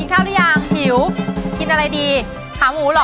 กินข้าวรึยังหิวกินอะไรดีขาหมูหรอ